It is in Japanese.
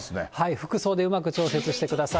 服装でうまく調節してください。